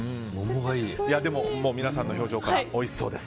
でも、皆さんの表情からおいしそうです！